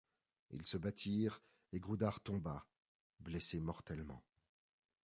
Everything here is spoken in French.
Ils se battirent et Grudar tomba, blessé mortellement.